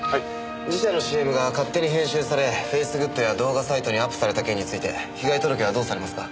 自社のＣＭが勝手に編集されフェイスグッドや動画サイトにアップされた件について被害届はどうされますか？